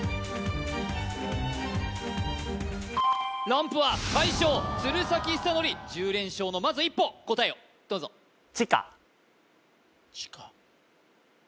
ランプは大将鶴崎修功１０連勝のまず一歩答えをどうぞ地下？